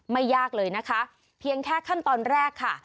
ยากเลยนะคะเพียงแค่ขั้นตอนแรกค่ะ